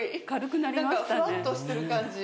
なんかふわっとしてる感じ。